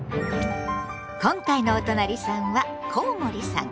今回のおとなりさんはコウモリさん。